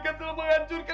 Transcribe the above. asal nama dia dua gimana